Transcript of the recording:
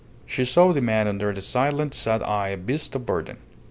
She saw the man under the silent, sad eyed beast of burden.